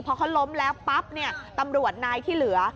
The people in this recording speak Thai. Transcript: พอเขาล้มแล้วปั๊บเนี่ยตำรวจนายที่เหลือ